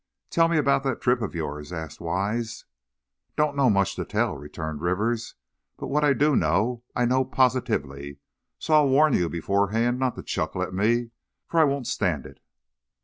"Tell me about that trip of yours," asked Wise. "Don't know much to tell," returned Rivers; "but what I do know, I know positively, so I'll warn you beforehand not to chuckle at me, for I won't stand it!"